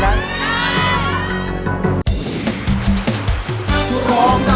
ดัง